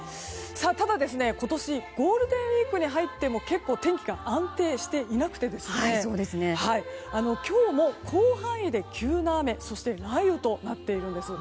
ただ今年ゴールデンウィークに入っても天気が安定していなくて今日も広範囲で急な雨そして雷雨となっているんです。